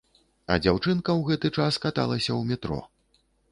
А дзяўчынка ў гэты час каталася ў метро.